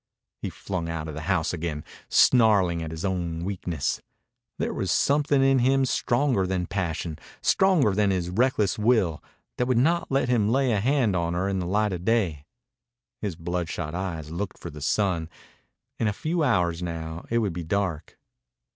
He flung out of the house again, snarling at his own weakness. There was something in him stronger than passion, stronger than his reckless will, that would not let him lay a hand on her in the light of day. His bloodshot eyes looked for the sun. In a few hours now it would be dark.